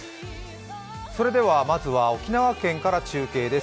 それでは沖縄県から中継です。